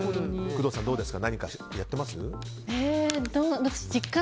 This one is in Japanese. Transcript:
工藤さん、何かやってますか。